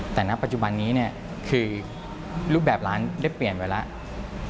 แต่ณปัจจุบันนี้เนี่ยคือรูปแบบร้านได้เปลี่ยนไปแล้ว